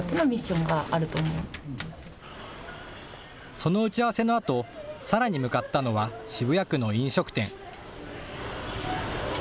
その打ち合わせのあとさらに向かったのは渋谷区の飲食店。